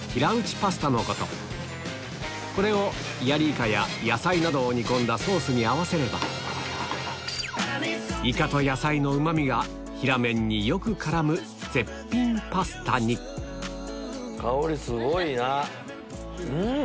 これをヤリイカや野菜などを煮込んだソースに合わせればイカと野菜のうまみが平麺によく絡む絶品パスタに香りすごいな！